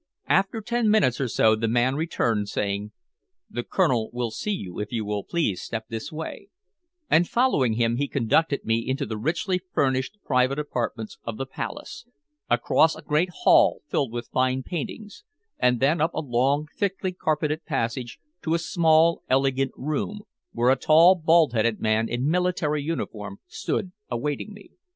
After ten minutes or so the man returned, saying: "The Colonel will see you if you will please step this way," and following him he conducted me into the richly furnished private apartments of the Palace, across a great hall filled with fine paintings, and then up a long thickly carpeted passage to a small, elegant room, where a tall bald headed man in military uniform stood awaiting me.